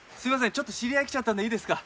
ちょっと知り合い来ちゃったんでいいですか？